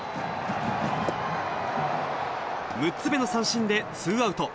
６つ目の三振でツーアウト。